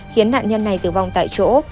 khiến nạn nhân này tử vong tại chỗ